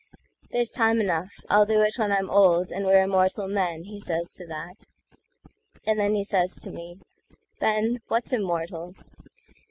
"There's time enough,—I'll do it when I'm old, And we're immortal men," he says to that; And then he says to me, "Ben, what's 'immortal'?